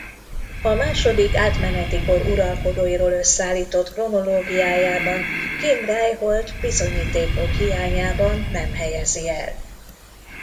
A második átmeneti kor uralkodóiról összeállított kronológiájában Kim Ryholt bizonyítékok hiányában nem helyezi el.